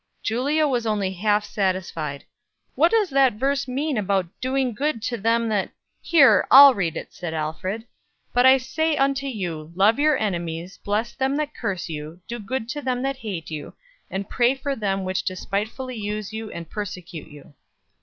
Julia was only half satisfied. "What does that verse mean about doing good to them that " "Here, I'll read it," said Alfred "'But I say unto you, Love your enemies, bless them that curse you, do good to them that hate you, and pray for them which despitefully use you and persecute you.'"